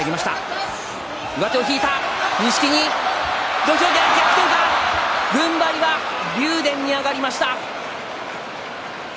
土俵際、逆転軍配は竜電に上がりました。